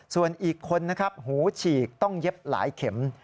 ส่วนอีกคนนะครับหูฉีกต้องเย็บหลายเข็ม